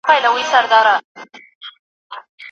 نفسي خواهشاتو ته اجازه نه ورکول کېږي.